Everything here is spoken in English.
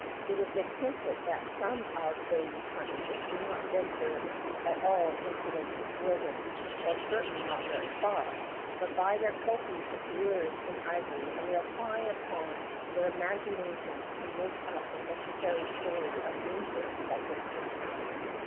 It has been hinted that some of these hunters do not venture at all into the wilder ness, or certainly not very far, but buy their trophies from dealers in ivory and rely upon their imaginations to make up the necessary story of dangers they have encountered.